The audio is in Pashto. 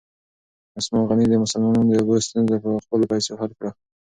عثمان غني د مسلمانانو د اوبو ستونزه په خپلو پیسو حل کړه.